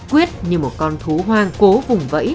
quyết như một con thú hoang cố vùng vẫy